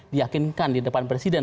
diakinkan di depan presiden